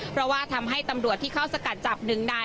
เพราะว่าทำให้ตำรวจที่เข้าสกัดจับหนึ่งนาย